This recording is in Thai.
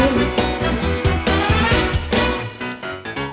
รีบมาสู่ข้อ